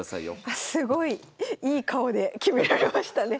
あすごいいい顔で決められましたね。